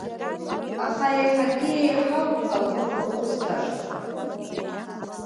Аха иаҳагьы еиҳауп агәыӷра узҭаша.